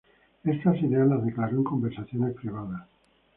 Estas ideas las declaró en conversaciones privadas.